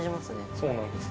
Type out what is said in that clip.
そうなんです。